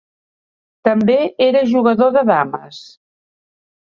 També era jugador de dames.